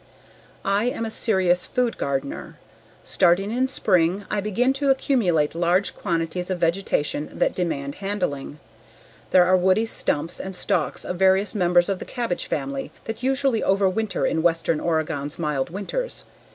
I am a serious food gardener. Starting in spring I begin to accumulate large quantities of vegetation that demand handling. There are woody stumps and stalks of various members of the cabbage family that usually overwinter in western Oregon's mild winters.